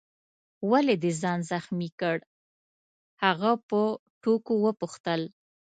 ولي دي ځان زخمي کړ؟ هغه په ټوکو وپوښتل.